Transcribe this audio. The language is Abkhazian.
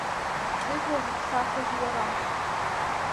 Зыжәла зыԥсахыз уара.